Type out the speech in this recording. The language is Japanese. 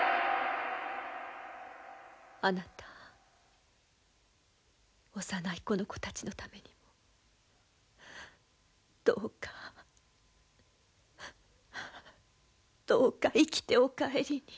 あなた幼いこの子たちのためにもどうかどうか生きてお帰りに。